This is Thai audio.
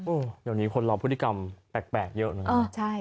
โอ้โหเดี๋ยวนี้คนเราพฤติกรรมแปลกเยอะนะครับ